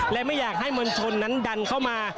และไม่อยากให้มวลชนนั้นดันเข้ามา